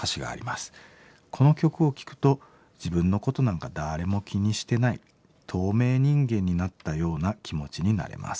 この曲を聴くと自分のことなんか誰も気にしてない透明人間になったような気持ちになれます。